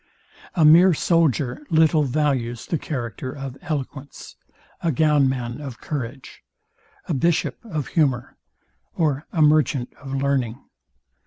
A mere soldier little values the character of eloquence: A gownman of courage: A bishop of humour: Or a merchant of learning.